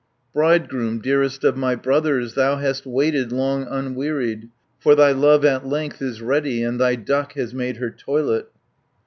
"Bridegroom, dearest of my brothers, Thou hast waited long unwearied; For thy love at length is ready, And thy duck has made her toilet.